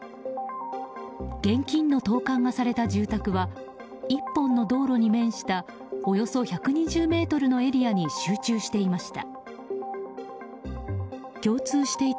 現金の投函がされた住宅は１本の道路に面したおよそ１２０ｍのエリアに集中していました。